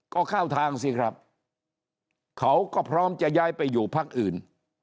ก็เข้าทางสิครับเขาก็พร้อมจะย้ายไปอยู่พักอื่น